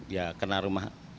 ya kena rumah